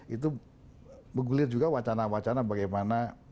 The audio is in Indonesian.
itu menggulir juga wacana wacana bagaimana